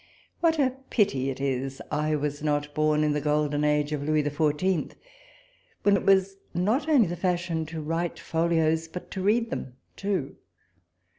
What a pity it is I was not born in the golden age of Louis the Fourteenth, when it was not only the fashion to write folios, but to read them too